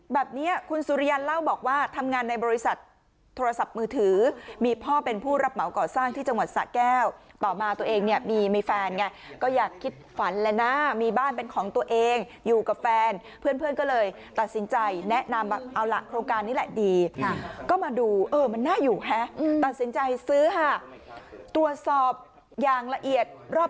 แบบนี้คุณสุริยันเล่าบอกว่าทำงานในบริษัทโทรศัพท์มือถือมีพ่อเป็นผู้รับเหมาก่อสร้างที่จังหวัดสะแก้วต่อมาตัวเองเนี่ยมีมีแฟนไงก็อยากคิดฝันแล้วนะมีบ้านเป็นของตัวเองอยู่กับแฟนเพื่อนก็เลยตัดสินใจแนะนำเอาล่ะโครงการนี้แหละดีก็มาดูเออมันน่าอยู่ฮะตัดสินใจซื้อค่ะตรวจสอบอย่างละเอียดรอบ